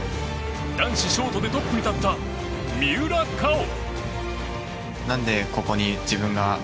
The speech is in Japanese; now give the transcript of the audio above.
男子ショートでトップに立った三浦佳生。